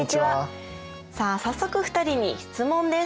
さあ早速２人に質問です。